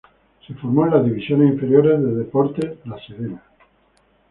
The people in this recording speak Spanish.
Se formó en las divisiones inferiores de Deportes La Serena.